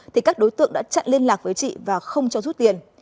thì các đối tượng đã chặn liên lạc với chị và không cho rút tiền